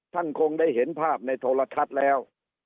ท่านคงได้เห็นภาพในโทรทัศน์แล้ว